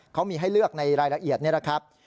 เขามีให้เลือกในรายละเอียดนี่แหละครับ